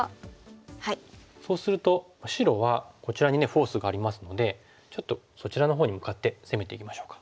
そうすると白はこちらにねフォースがありますのでちょっとそちらのほうに向かって攻めていきましょうか。